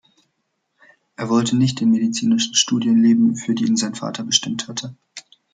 Er wollte nicht den medizinischen Studien leben, für die ihn sein Vater bestimmt hatte.